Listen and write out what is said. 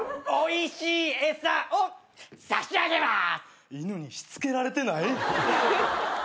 おいしい餌を差し上げまーす！